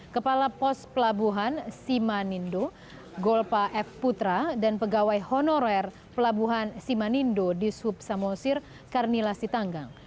kepala pos pelabuhan simanindo golpa f putra dan pegawai honorer pelabuhan simanindo dishub samosir karnilasi tanggang